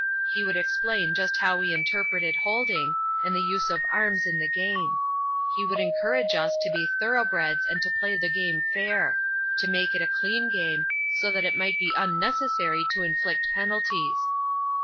He would explain just how he interpreted holding and the use of arms in the game. He would urge us to be thoroughbreds and to play the game fair; to make it a clean game, so that it might be unnecessary to inflict penalties.